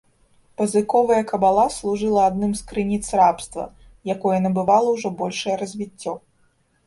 Пазыковая кабала служыла адным з крыніц рабства, якое набывала ўжо большае развіццё.